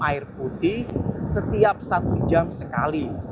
air putih setiap satu jam sekali